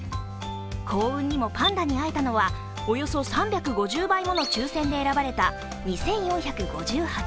幸運にもパンダに会えたのはおよそ３５０倍もの抽選で選ばれた２４５８人。